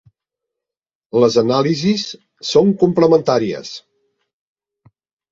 Les anàlisis són complementàries.